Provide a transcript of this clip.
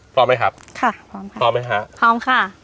พร้อมไหมครับค่ะพร้อมค่ะพร้อมไหมฮะพร้อมค่ะ